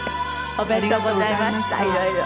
おめでとうございましたいろいろ。